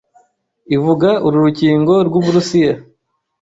ivuga uru rukingo rw'Uburusiya